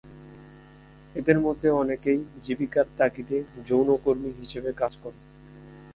এদের মধ্যে অনেকেই জীবিকার তাগিদে যৌনকর্মী হিসেবে কাজ করে।